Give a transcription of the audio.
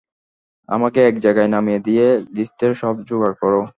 আমাকে এক জায়গায় নামিয়ে দিয়ে, লিস্টের সব জোগাড় করো।